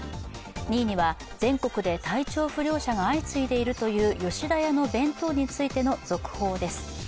２位には全国で体調不良者が相次いでいるという吉田屋の弁当に関する続報です。